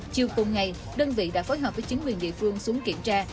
chiều cùng ngày đơn vị đã phối hợp với chính quyền địa phương xuống kiểm tra